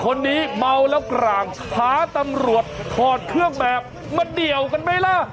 คนนี้เมาแล้วกลางท้าตำรวจถอดเครื่องแบบมาเดี่ยวกันไหมล่ะ